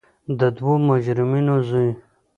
د دوو مجرمینو زوی.